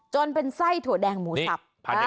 เป็นไส้ถั่วแดงหมูสับ